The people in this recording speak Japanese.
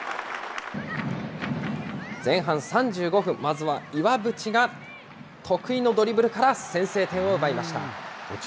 前半３５分、まずは岩渕が得意のドリブルから先制点を奪いました。